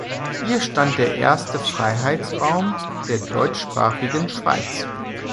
Hier stand der erste Freiheitsbaum der deutschsprachigen Schweiz.